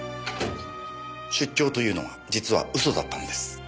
出張というのは実は嘘だったんです。